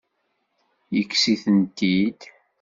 Yekkes-itent-id?